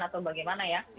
atau bagaimana ya